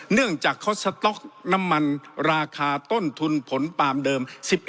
เนื่องจากเขาสต๊อกน้ำมันราคาต้นทุนผลปาล์มเดิม๑๑